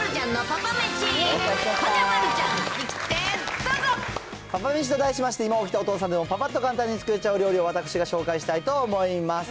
パパめしと題しまして、今起きたお父さんでもぱぱっと簡単に作れちゃう料理を私が紹介したいと思います。